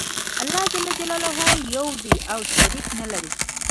الله ج یو دی او شریک نلری.